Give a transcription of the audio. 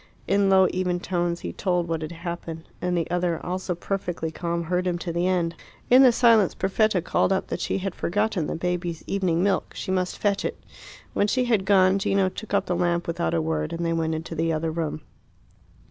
In low, even tones he told what had happened; and the other, also perfectly calm, heard him to the end. In the silence Perfetta called up that she had forgotten the baby's evening milk; she must fetch it. When she had gone Gino took up the lamp without a word, and they went into the other room.